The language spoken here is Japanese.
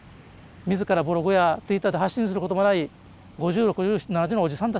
自らブログやツイッターで発信することもない５０６０７０のおじさんたち